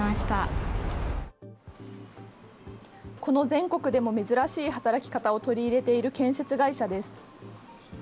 この全国でも珍しい働き方を取り入れている建設会社です。